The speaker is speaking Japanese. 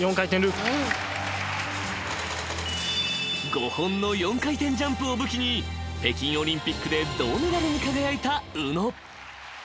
［５本の４回転ジャンプを武器に北京オリンピックで銅メダルに輝いた宇野］